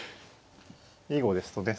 囲碁ですとね